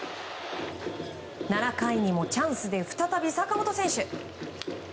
７回にもチャンスで再び坂本選手。